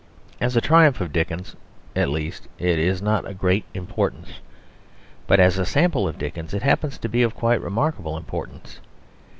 As a triumph of Dickens, at least, it is not of great importance. But as a sample of Dickens it happens to be of quite remarkable importance.